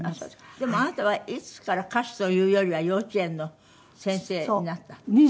でもあなたはいつから歌手というよりは幼稚園の先生になった？